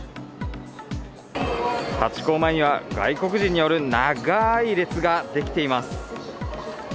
ハチ公前には、外国人による長い列が出来ています。